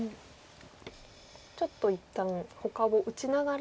ちょっと一旦ほかを打ちながら。